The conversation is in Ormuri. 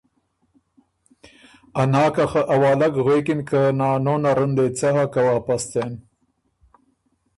ا ناکه خه اوالګ غوېکِن که ”نانو نر ان دې هۀ څۀ که واپس څېن“